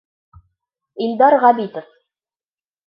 Илдар Ғәбитов: